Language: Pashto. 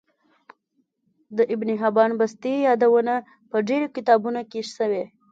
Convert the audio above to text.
د ابن حبان بستي يادونه په ډیرو کتابونو کی سوی